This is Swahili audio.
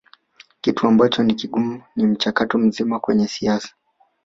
Kitu ambacho ni kigumu ni mchakato mzima kwenye siasa